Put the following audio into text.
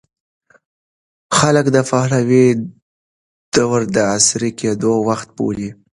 خلک د پهلوي دوره د عصري کېدو وخت بولي.